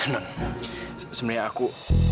non sebenarnya aku